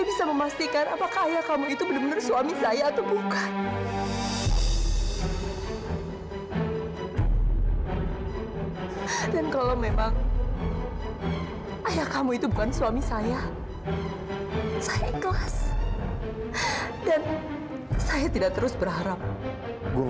belum puas kamu